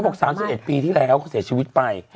๓๑ปีที่แล้วเขาเสียชีวิตไป